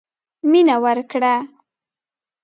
مينه ورکړه.